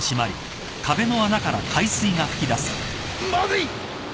まずい！